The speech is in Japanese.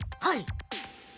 はい。